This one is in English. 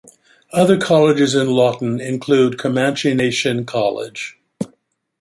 Other colleges in Lawton include Comanche Nation College.